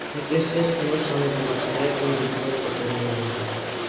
ეკლესიას ჰქონდა სამი გუმბათი და იყო მდიდრულად დეკორირებული.